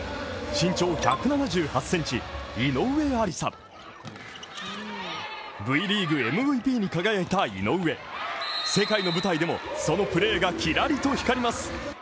身長１７８センチ、井上愛里沙ＶリーグＭＶＰに輝いた井上世界の舞台でもそのプレーがキラリと光ります。